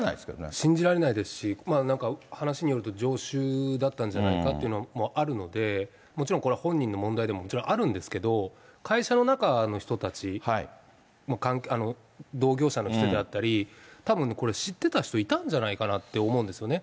信じられないですし、なんか話によると、常習だったんじゃないかっていうのもあるので、もちろんこれは本人の問題でもあるんですけど、会社の中の人たち、同業者の人であったり、たぶんね、これ知ってた人いたんじゃないかなって思うんですよね。